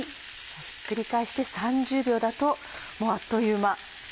ひっくり返して３０秒だともうあっという間。